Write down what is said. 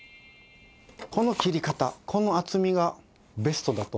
この切り方この厚みがベストだと思うんですね。